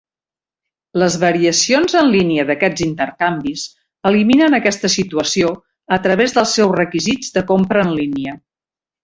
Les variacions en línia d'aquests intercanvis eliminen aquesta situació a través dels seus requisits de compra en línia.